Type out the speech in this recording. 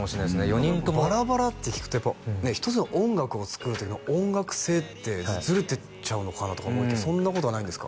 ４人ともバラバラって聞くとやっぱね一つの音楽を作る時の音楽性ってズレていっちゃうのかなとか思いきやそんなことはないんですか？